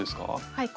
はい。